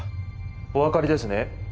お分かりですね。